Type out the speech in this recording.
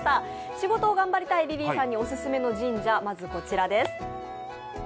仕事を頑張りたいリリーさんにオススメの神社、こちらです。